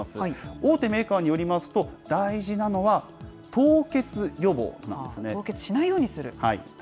大手メーカーによりますと、大事凍結しないようにする。